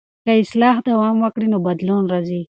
که اصلاح دوام وکړي نو بدلون راځي.